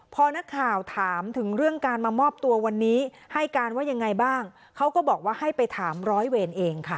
พอนักข่าวถามถึงเรื่องการมามอบตัววันนี้ให้การว่ายังไงบ้างเขาก็บอกว่าให้ไปถามร้อยเวรเองค่ะ